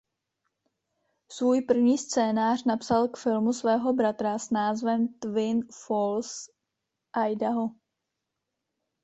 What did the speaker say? Svůj první scénář napsal k filmu svého bratra s názvem "Twin Falls Idaho".